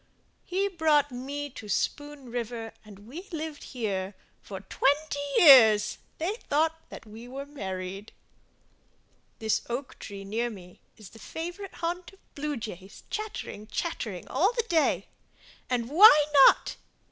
He brought me to Spoon River and we lived here For twenty years—they thought that we were married This oak tree near me is the favorite haunt Of blue jays chattering, chattering all the day. And why not?